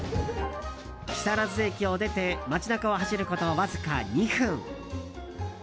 木更津駅を出て街中を走ることわずか２分。